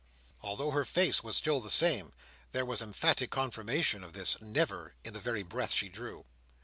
Although her face was still the same, there was emphatic confirmation of this "Never" in the very breath she drew.